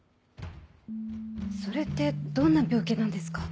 それってどんな病気なんですか？